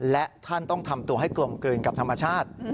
และท่านต้องทำตัวให้กลมกลืนกับธรรมชาติ